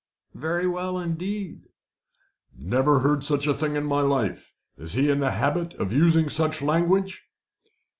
"Very well indeed." "Never heard such a thing in my life! Is he in the habit of using such language?"